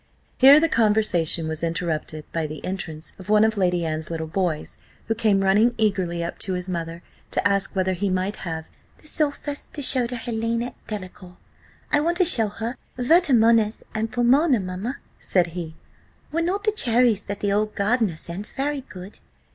Here the conversation was interrupted by the entrance of one of Lady Anne's little boys, who came running eagerly up to his mother, to ask whether he might have "the sulphurs to show to Helena Delacour. I want to show her Vertumnus and Pomona, mamma," said he. "Were not the cherries that the old gardener sent very good?"